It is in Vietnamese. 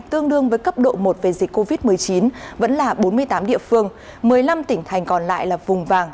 tương đương với cấp độ một về dịch covid một mươi chín vẫn là bốn mươi tám địa phương một mươi năm tỉnh thành còn lại là vùng vàng